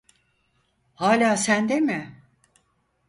Hala sende mi?